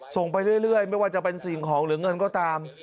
ไปเรื่อยไม่ว่าจะเป็นสิ่งของหรือเงินก็ตาม